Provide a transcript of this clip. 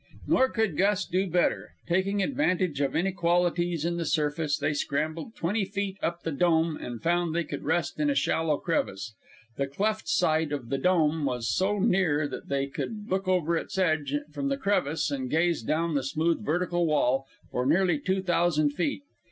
Nor could Gus do better. Taking advantage of inequalities in the surface, they scrambled twenty feet up the Dome and found they could rest in a shallow crevice. The cleft side of the Dome was so near that they could look over its edge from the crevice and gaze down the smooth, vertical wall for nearly two thousand feet.